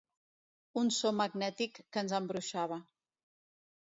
Un so magnètic que ens embruixava.